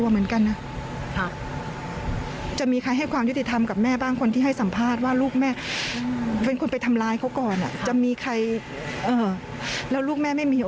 มาให้การมาให้สัมภาษณ์แล้วนี่